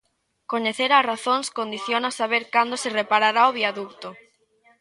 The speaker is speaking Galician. Coñecer as razóns condiciona saber cando se reparará o viaduto.